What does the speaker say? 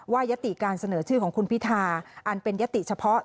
ยติการเสนอชื่อของคุณพิธาอันเป็นยติเฉพาะ